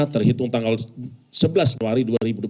terhitung tanggal sebelas januari dua ribu dua puluh